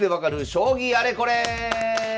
将棋あれこれ」！